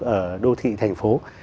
ở đô thị thành phố